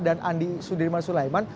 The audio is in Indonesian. dan andi sudirman sulaiman